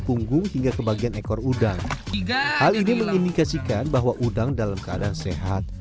punggung hingga kebagian ekor udang hingga hal ini mengindikasikan bahwa udang dalam keadaan sehat